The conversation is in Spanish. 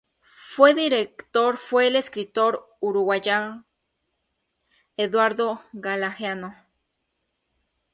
Su director fue el escritor uruguayo Eduardo Galeano.